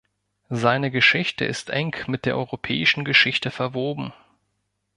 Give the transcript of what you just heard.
Seine Geschichte ist eng mit der europäischen Geschichte verwoben.